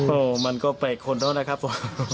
โอ้โหมันก็แปลกคนแล้วนะครับผม